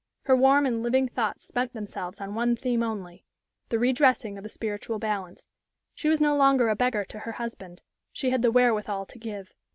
Her warm and living thoughts spent themselves on one theme only the redressing of a spiritual balance. She was no longer a beggar to her husband; she had the wherewithal to give.